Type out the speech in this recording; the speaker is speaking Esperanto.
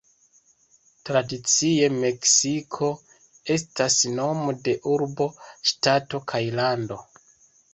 Tradicie, "Meksiko" estas nomo de urbo, ŝtato, kaj lando.